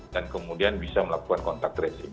dan kemudian bisa melakukan contact tracing